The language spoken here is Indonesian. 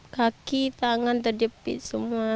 kaki tangan terdipik semua